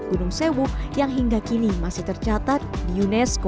gunung sewu yang hingga kini masih tercatat di unesco goa gong yang ditemukan sekitar tahun